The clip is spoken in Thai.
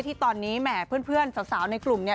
ที่ตอนนี้แหมเพื่อนสาวในกลุ่มเนี่ย